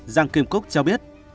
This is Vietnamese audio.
giang kim cúc cho biết